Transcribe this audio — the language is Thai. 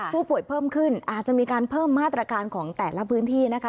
ผู้ป่วยเพิ่มขึ้นอาจจะมีการเพิ่มมาตรการของแต่ละพื้นที่นะคะ